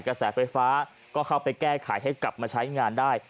กระแสไฟฟ้าก็เข้าไปแก้ไขให้กลับมาใช้งานได้